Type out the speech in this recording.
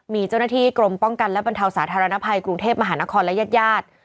มีเจ้าหน้าที่กรมป้องกันและบรรเทาสาธารณภัยกรุงเทพมหานครและญาติญาติ